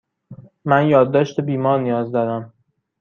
من یادداشت بیمار نیاز دارم.